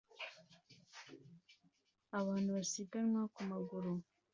Abantu basiganwa ku maguru